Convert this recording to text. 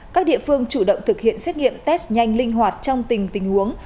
các địa phương chủ động thực hiện xét nghiệm test nhanh linh hoạt trong tình huống